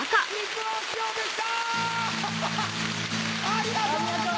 ありがとうございます！